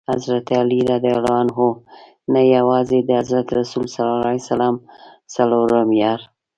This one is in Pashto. حضرت علي رض نه یوازي د حضرت رسول ص څلورم یار.